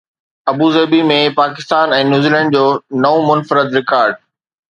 Abu Dhabi ۾ Pakistan ۽ New Zealand جو نئون منفرد رڪارڊ